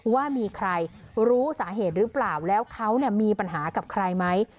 ว่ามีใครรู้สาเหตุหรือเปล่าแล้วเขามีปัญหากับใครไหม